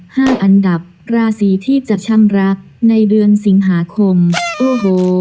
ห้าอันดับราศีที่จะช่างรักในเดือนสิงหาคมโอ้โห